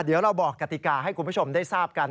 เดี๋ยวเราบอกกติกาให้คุณผู้ชมได้ทราบกัน